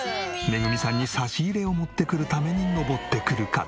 めぐみさんに差し入れを持ってくるために登ってくる方。